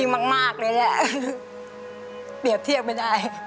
มากเลยแหละเปรียบเทียบไม่ได้